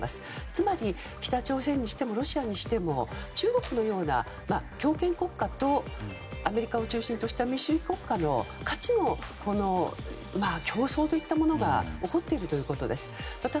つまり北朝鮮にしてもロシアにしても中国のような強権国家とアメリカを中心とした民主国家の価値の競争といったものが起こっているということです。